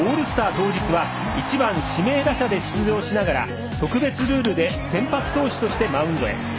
当日は１番、指名打者で出場しながら特別ルールで先発投手としてマウンドへ。